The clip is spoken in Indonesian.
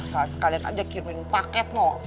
gak sekalian aja kirim paket mau